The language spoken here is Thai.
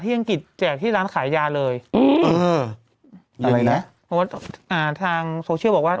อังกฤษแจกที่ร้านขายยาเลยอืมเอออะไรนะเพราะว่าอ่าทางโซเชียลบอกว่า